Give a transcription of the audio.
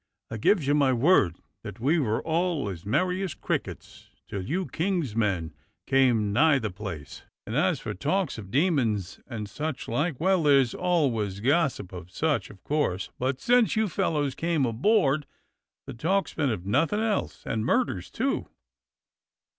I gives you my word that we were all as merry as crickets till you King's men come nigh the place, and as for talks of demons and such like, well, there's always gossip of such, of course, but since you fellows come aboard, the talk's been of nothing else; and murders, too.